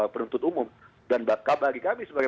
penuntut umum dan bagi kami sebagai